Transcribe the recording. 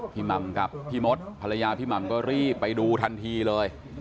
หม่ำกับพี่มดภรรยาพี่หม่ำก็รีบไปดูทันทีเลย